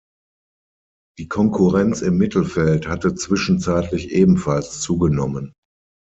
Die Konkurrenz im Mittelfeld hatte zwischenzeitlich ebenfalls zugenommen.